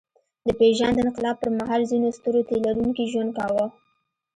د پېژاند انقلاب پر مهال ځینو سترو تيلرونکي ژوند کاوه.